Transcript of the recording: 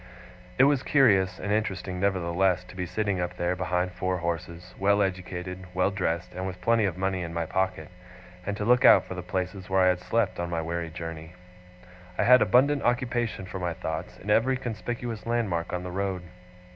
It was curious and interesting, nevertheless, to be sitting up there behind four horses: well educated, well dressed, and with plenty of money in my pocket; and to look out for the places where I had slept on my weary journey. I had abundant occupation for my thoughts, in every conspicuous landmark on the road.